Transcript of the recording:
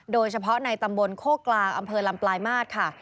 โดยเฉพาะในตำบลโคกกลางอำเภอลำปลายมาตรค่ะ